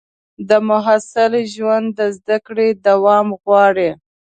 د محصل ژوند د زده کړې دوام غواړي.